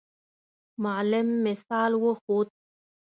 معلم مثال وښود.